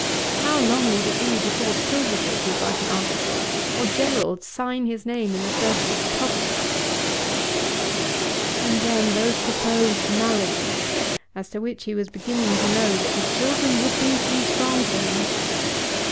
How long would it be before Silverbridge would write an article, or Gerald sign his name in the service of the public? And then those proposed marriages, as to which he was beginning to know that his children would be too strong for him!